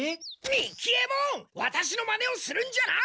三木ヱ門ワタシのマネをするんじゃない！